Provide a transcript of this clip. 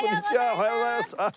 おはようございます。